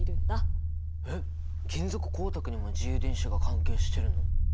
えっ金属光沢にも自由電子が関係してるの？